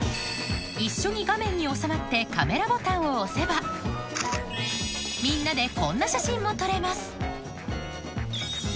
一緒に画面に収まってカメラボタンを押せばみんなでこんな写真も撮れます